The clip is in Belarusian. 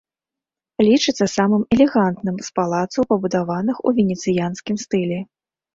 Лічыцца самым элегантным з палацаў, пабудаваных у венецыянскім стылі.